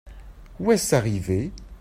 Où est-ce arrivé ?